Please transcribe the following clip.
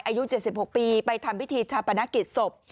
อายุ๗๖ปีไปทำพิธีชาปนกิจศพ